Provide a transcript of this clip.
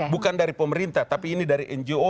bukan dari pemerintah tapi ini dari ngo